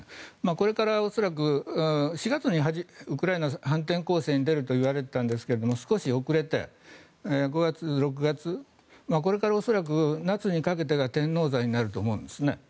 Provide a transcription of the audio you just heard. これから恐らく４月にウクライナは反転攻勢に出るといわれていましたが少し遅れて５月、６月これから恐らく夏にかけてが天王山になると思うんです。